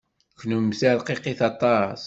Kennemti rqiqit aṭas.